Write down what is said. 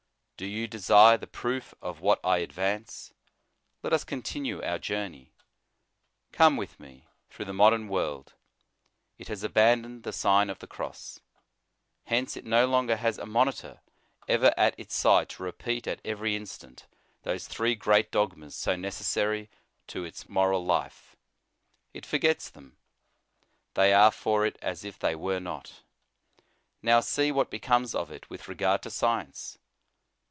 Do you desire the proof of what I advance ? Let us continue our journey; come with me through the modern world. It has abandoned the Sign of the Cross. Hence it no longer has a monitor ever at its side to repeat at every instant those three great dogmas so necessary to its moral life. It forgets them; they are for it as if they were not. Now, see what becomes of it with regard to science.